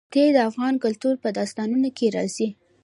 ښتې د افغان کلتور په داستانونو کې راځي.